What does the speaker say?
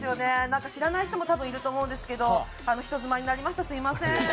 なんか知らない人も多分いると思うんですけど人妻になりましたすみません。